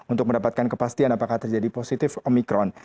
untuk mendapatkan kepastian apakah terjadi positif omikron